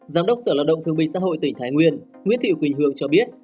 giám đốc sở lao động thương minh xã hội tỉnh thái nguyên nguyễn thị quỳnh hương cho biết